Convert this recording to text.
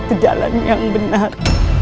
ke jalan yang benar